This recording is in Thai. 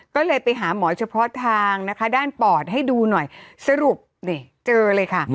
ก็เลยไปหาหมอเฉพาะทางนะคะด้านปอดให้ดูหน่อยสรุปนี่เจอเลยค่ะ